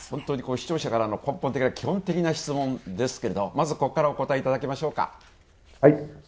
視聴者からの基本的な質問ですけれどもまず、ここからお答えいたきましょうか。